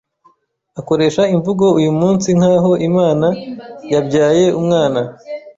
akoresha imvugo uyumunsi nkaho Imana yabyaye Umwana